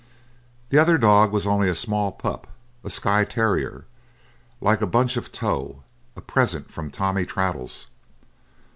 The other dog was only a small pup, a Skye terrier, like a bunch of tow, a present from Tommy Traddles.